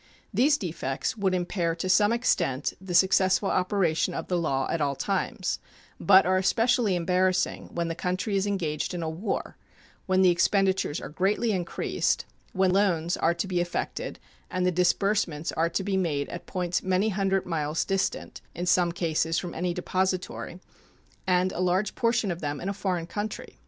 These defects would impair to some extent the successful operation of the law at all times, but are especially embarrassing when the country is engaged in a war, when the expenditures are greatly increased, when loans are to be effected and the disbursements are to be made at points many hundred miles distant, in some cases, from any depository, and a large portion of them in a foreign country.